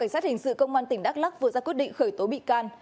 sát hình sự công an tỉnh đắk lắc vừa ra quyết định khởi tố bị can